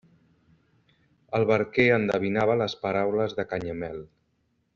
El barquer endevinava les paraules de Canyamel.